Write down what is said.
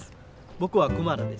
僕はクマラです。